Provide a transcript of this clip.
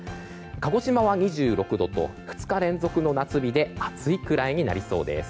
鹿児島は２６度と２日連続の夏日で暑いくらいになりそうです。